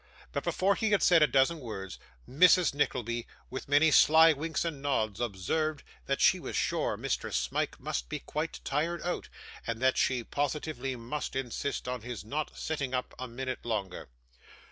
But before he had said a dozen words, Mrs. Nickleby, with many sly winks and nods, observed, that she was sure Mr. Smike must be quite tired out, and that she positively must insist on his not sitting up a minute longer.